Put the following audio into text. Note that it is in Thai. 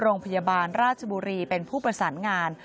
โรงพยาบาลราชบุรีเป็นผู้ประสานงาน